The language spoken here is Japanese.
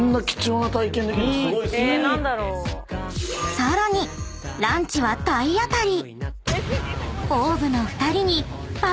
［さらにランチは体当たり！］